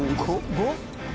５？